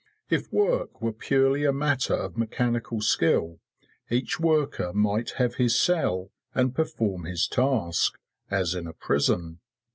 If work were purely a matter of mechanical skill, each worker might have his cell and perform his task, as in a prison.